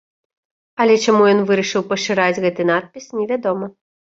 Але чаму ён вырашыў пашыраць гэты надпіс, невядома.